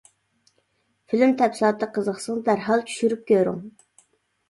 فىلىم تەپسىلاتىغا قىزىقسىڭىز دەرھال چۈشۈرۈپ كۆرۈڭ.